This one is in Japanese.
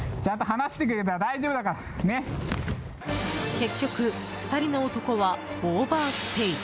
結局、２人の男はオーバーステイ。